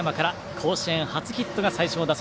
甲子園初ヒットが最初の打席。